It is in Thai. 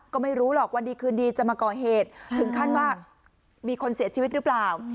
ก็ไม่รู้หรอกวันดีคืนดีจะมาก่อเหตุถึงขั้นว่ามีคนเสียชีวิตหรือเปล่า